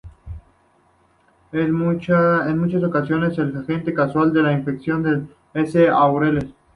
En muchas ocasiones el agente causal de la infección es el S. aureus.